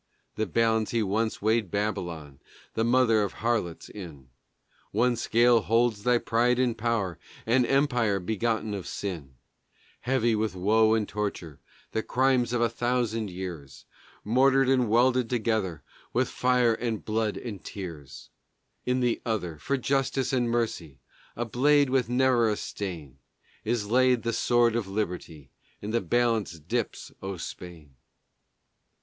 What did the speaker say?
The balance He once weighed Babylon, the Mother of Harlots, in: One scale holds thy pride and power and empire, begotten of sin, Heavy with woe and torture, the crimes of a thousand years, Mortared and welded together with fire and blood and tears; In the other, for justice and mercy, a blade with never a stain, Is laid the Sword of Liberty, and the balance dips, O Spain!